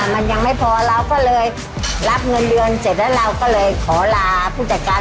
มันยังไม่พอเราก็เลยรับเงินเดือนเสร็จแล้วเราก็เลยขอลาผู้จัดการ